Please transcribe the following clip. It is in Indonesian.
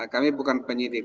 kami bukan penyidik